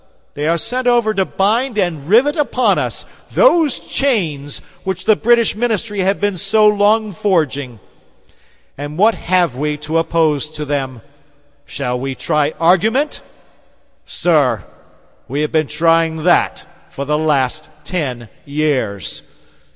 They are sent over to bind and rivet upon us those chains which the British ministry have been so long forging. And what have we to oppose to them? Shall we try argument? Sir, we have been trying that for the last ten years.